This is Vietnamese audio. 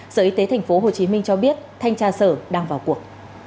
sở y tế tp hcm cho biết thanh tra sở đang vào cuộc